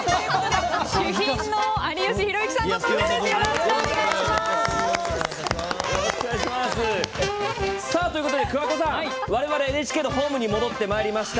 主賓の有吉弘行さんの登場です。ということで桑子さん我々はＮＨＫのホームに戻ってまいりました。